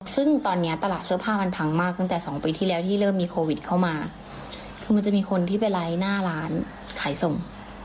ซึ่งตอนนี้ตลาดเสื้อผ้ามันพังมากตั้งแต่สองปีที่แล้วที่เริ่มมีโควิดเข้ามาคือมันจะมีคนที่ไปไลค์หน้าร้านขายส่ง